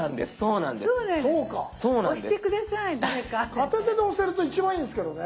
片手で押せると一番いいんすけどね。